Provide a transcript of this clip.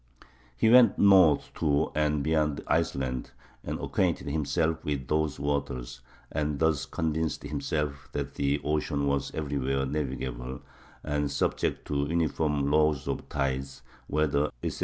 He went north to and beyond Iceland, and acquainted himself with those waters, and thus convinced himself that the ocean was everywhere navigable, and subject to uniform laws of tides, weather, etc.